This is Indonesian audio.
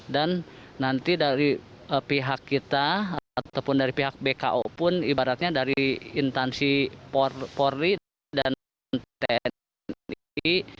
dan nanti dari pihak kita ataupun dari pihak bko pun ibaratnya dari intansi porri dan tni